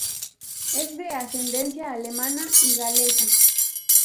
Es de ascendencia alemana y galesa.